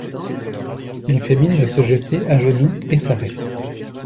Il fait mine de se jeter à genoux et s’arrête.